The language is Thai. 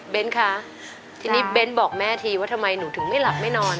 เป็นคะทีนี้เบ้นบอกแม่ทีว่าทำไมหนูถึงไม่หลับไม่นอน